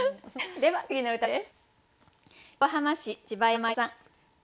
では次の歌です。